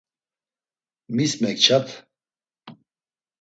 Mis mekçat?